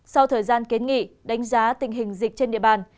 sau thời gian kiến nghị đánh giá tình hình dịch trên địa bàn